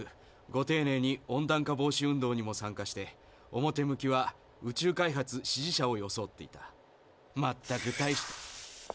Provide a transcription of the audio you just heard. ごていねいに温暖化防止運動にも参加して表向きは宇宙開発支持者をよそおっていた。